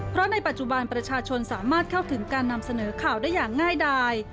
เพราะในปัจจุบันประชาชนสามารถเข้าถึงการนำเสนอข่าวได้อย่างง่ายดาย